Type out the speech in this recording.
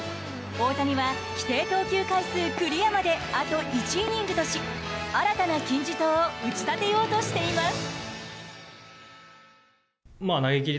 大谷は規定投球回数クリアまであと１イニングとし新たな金字塔を打ち立てようとしています。